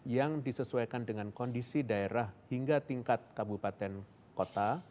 yang disesuaikan dengan kondisi daerah hingga tingkat kabupaten kota